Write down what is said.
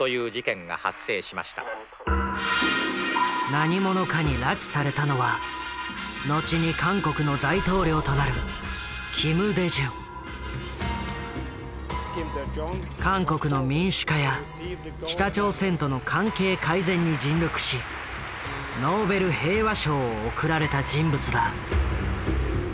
何者かに拉致されたのは後に韓国の大統領となる韓国の民主化や北朝鮮との関係改善に尽力しノーベル平和賞を贈られた人物だ。